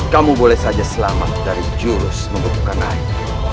kamu boleh saja selamat dari jurus membepukan air